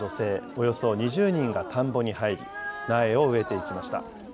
およそ２０人が田んぼに入り、苗を植えていきました。